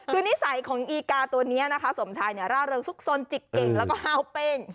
คือนิสัยชาวอีกาตัวนี้นะคะสมชายร่าเริงสุขศนต์จิบเย็นแล้วก็ฮาวเป้ง